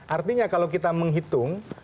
artinya kalau kita menghitung